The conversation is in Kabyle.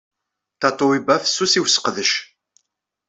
Tatoeba fessus i usseqdec.